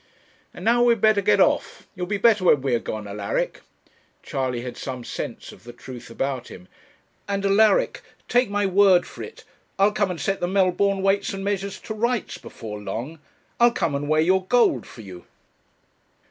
'And now we had better get off you'll be better when we are gone, Alaric,' Charley had some sense of the truth about him 'and, Alaric, take my word for it, I'll come and set the Melbourne Weights and Measures to rights before long I'll come and weigh your gold for you.'